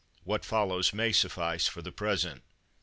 What follows may suffice for the present.